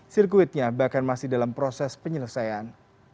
sirkuitnya bahkan masih dalam proses penyelesaian